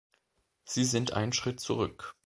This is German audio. Sie sind ein Schritt zurück.